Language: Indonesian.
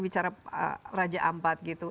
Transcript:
bicara raja ampat gitu